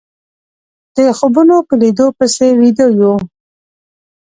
د خوبونو په ليدو پسې ويده يو